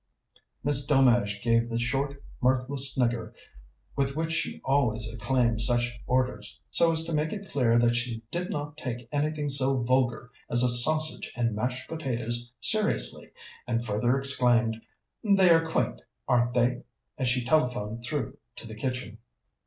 Miss Delmege gave the short mirthless snigger with which she always acclaimed such orders, so as to make it clear that she did not take anything so vulgar as a sausage and mashed potatoes seriously, and further exclaimed, "They are quaint, aren't they?" as she telephoned through to the kitchen.